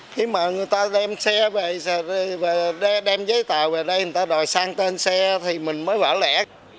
khi mà người ta đem xe về đem giấy tờ về đây người ta đòi sang tên xe thì mình mới vỡ lẻ